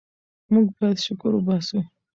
موږ باید شکر وباسو.